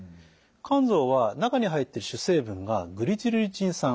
甘草は中に入っている主成分がグリチルリチン酸。